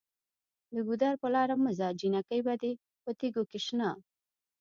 د ګودر په لاره مه ځه جینکۍ به دې په تیږو کې شنه